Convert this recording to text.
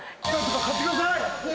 買ってください！